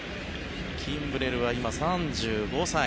キンブレルは今、３５歳。